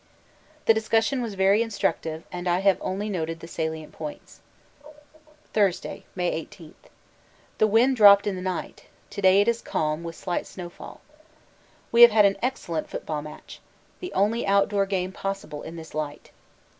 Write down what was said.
The discussion was very instructive and I have only noted the salient points. Thursday, May 18. The wind dropped in the night; to day it is calm, with slight snowfall. We have had an excellent football match the only outdoor game possible in this light.